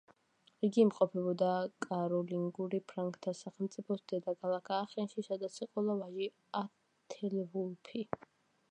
იგი იმყოფებოდა კაროლინგური ფრანკთა სახელმწიფოს დედაქალაქ აახენში, სადაც ეყოლა ვაჟი ეთელვულფი.